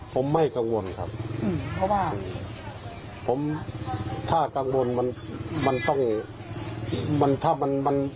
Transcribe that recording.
ผมไม่กังวลครับเพราะว่าผมถ้ากังวลมันมันต้องมันถ้ามันมัน